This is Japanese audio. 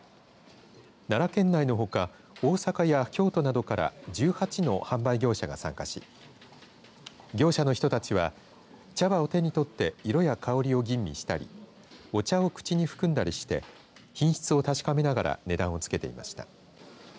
奈良県内のほか大阪や京都などから１８の販売業者が参加し業者の人たちは茶葉を手に取って色や香りを吟味したりお茶を口に含んだりして品質を確かめながら値段をつけていました。